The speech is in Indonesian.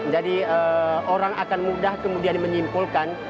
jadi orang akan mudah kemudian menyimpulkan